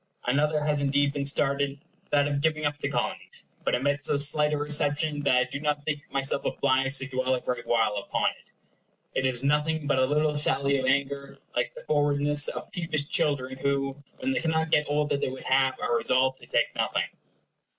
Another has indeed been started, that of giving up the Colonies; but it met so slight a reception that I do not think myself obliged to dwell a great while upon it. It is nothing but a little sally of anger, like the forwardness of peevish children who, when they cannot get all they would have, are resolved to take nothing.